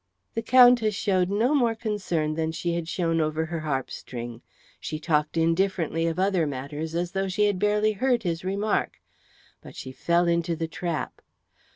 The Countess showed no more concern than she had shown over her harp string. She talked indifferently of other matters as though she had barely heard his remark; but she fell into the trap.